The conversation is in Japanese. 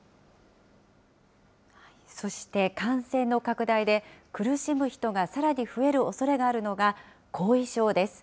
そして、感染の拡大で、苦しむ人がさらに増えるおそれがあるのが、後遺症です。